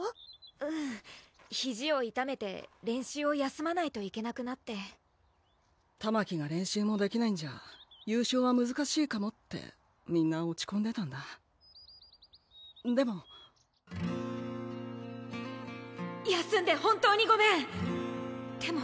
うんひじをいためて練習を休まないといけなくなってたまきが練習もできないんじゃ優勝はむずかしいかもってみんな落ち込んでたんだでも休んで本当にごめん！